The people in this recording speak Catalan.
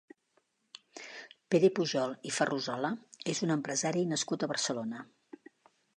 Pere Pujol i Ferrusola és un empresari nascut a Barcelona.